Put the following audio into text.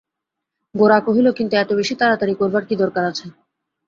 গোরা কহিল, কিন্তু এত বেশি তাড়াতাড়ি করবার কী দরকার আছে?